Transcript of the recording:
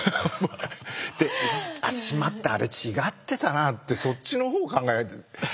で「しまったあれ違ってたな」ってそっちのほう考え始めちゃって。